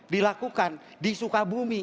dilakukan di sukabumi